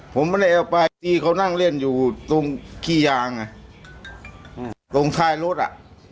ผมไม่ได้เอาไปที่เขานั่งเล่นอยู่ตรงขี้ยางอ่ะอืมตรงท้ายรถอ่ะ